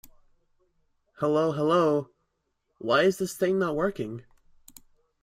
Hello hello. Why is this thing not working?